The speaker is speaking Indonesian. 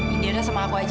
ida ada sama aku aja